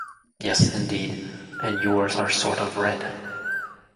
Yes, indeed, and yours are sort of red.